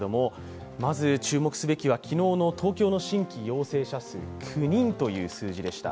まず注目すべきは昨日の東京の新規陽性者数、９人という数字でした。